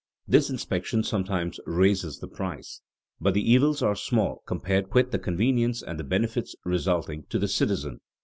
This inspection sometimes raises the price, but the evils are small compared with the convenience and the benefits resulting to the citizen.